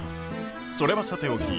それはさておき。